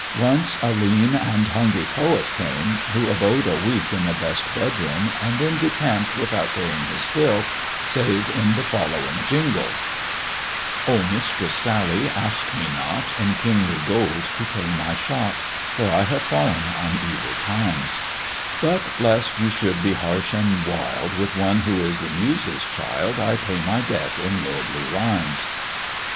Once a lean and hungry poet came, who abode a week in the best bedroom, and then decamped without paying his bill, save in the following jingle : 6 THE dwarf's chamber Oh, Mistress Sally, ask me not In kingly gold to pay my shot, For I nave fallen on evil times : But lest you should he hai'sh and wild With one who is the Muses* child, I pay my debt in lordly rhymes.